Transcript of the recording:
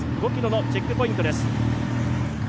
５ｋｍのチェックポイントです。